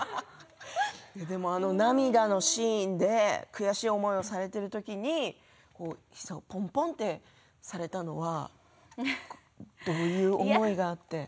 涙のシーンで悔しい思いをされている時に膝をぽんとされたのはどういう思いがあって？